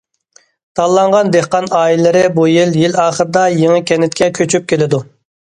تاللانغان دېھقان ئائىلىلىرى بۇ يىل يىل ئاخىرىدا يېڭى كەنتكە كۆچۈپ كېلىدۇ.